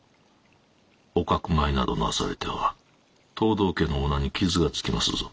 おかくまいなどなされては藤堂家のお名に傷がつきますぞ。